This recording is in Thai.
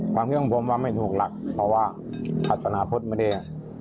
ความเคี้ยงผมว่าไม่ถูกหลักเพราะว่าศรษนพฤตไม่ได้